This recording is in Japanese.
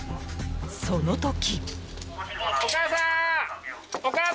その時。